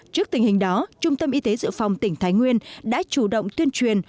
trước tình hình đó trung tâm y tế dự phòng tỉnh thái nguyên đã chủ động tuyên truyền